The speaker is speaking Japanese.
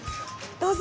どうぞ。